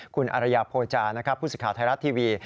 คุณอารยาโภจารย์ผู้สิทธิ์ข่าวไทยรัฐทีวี